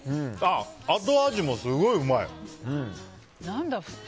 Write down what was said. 後味もすごいうまい。